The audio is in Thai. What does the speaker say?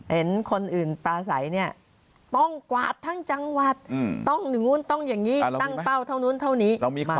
เห็นคนอื่นปราศัยเนี่ยต้องกวาดทั้งจังหวัดต้องอย่างงี้ตั้งเป้าเท่านู้นเท่านี้